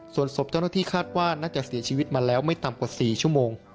ส่วนศพเจ้าหน้าที่คาดว่าน่าจะเสียชีวิตมาแล้วไม่ต่ำกว่า๔ชั่วโมง